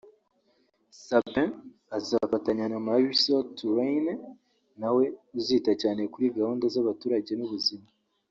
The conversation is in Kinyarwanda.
Sapin azafatanya na Marisol Touraine nawe uzita cyane kuri gahunda z’abaturage n’ubuzima